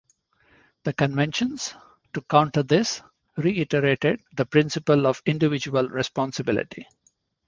The conventions, to counter this, reiterated the principle of individual responsibility.